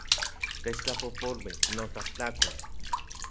Techtlapojpolui, notlajtlakol